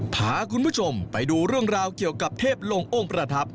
พาคุณผู้ชมไปดูเรื่องราวเกี่ยวกับเทพลงองค์ประทับ